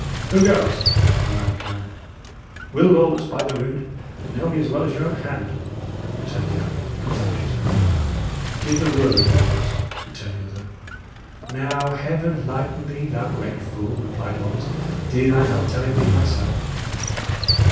"Who goes?" cried the man in command. "Will Lawless, by the rood ye know me as well as your own hand," returned the outlaw, contemptuously. "Give the word, Lawless," returned the other. "Now, Heaven lighten thee, thou great fool," replied Lawless. "Did I not tell it thee myself?